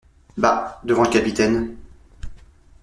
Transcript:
Bah ! devant le capitaine !